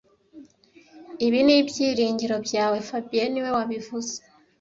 Ibi ni ibyiringiro byawe fabien niwe wabivuze